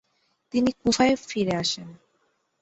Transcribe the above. তিনি কুফায় ফিরে আসেন।